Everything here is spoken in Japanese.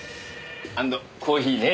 アンドコーヒーね。